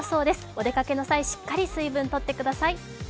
お出かけの際、しっかり水分とってください。